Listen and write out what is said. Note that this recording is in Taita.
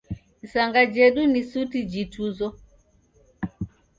Isanga jedu ni suti jituzo